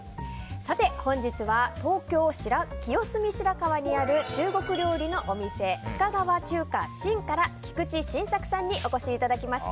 本日は東京・清澄白河にある中国料理のお店深川中華Ｓｈｉｎから菊池晋作さんにお越しいただきました。